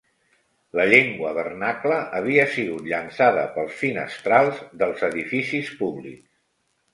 La llengua vernacla havia sigut llançada pels finestrals dels edificis públics.